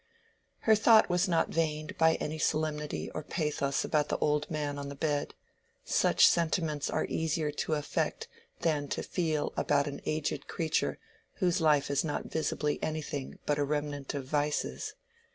Her thought was not veined by any solemnity or pathos about the old man on the bed: such sentiments are easier to affect than to feel about an aged creature whose life is not visibly anything but a remnant of vices.